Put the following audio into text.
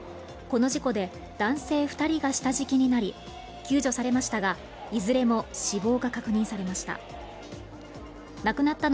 この事故で男性２人が下敷きになり救助されましたがいずれも死亡が確認されました。